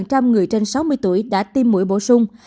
nhiều người trên sáu mươi tuổi đã tiêm mũi bổ sung